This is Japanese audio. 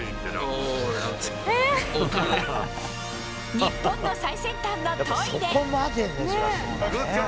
日本の最先端のトイレ！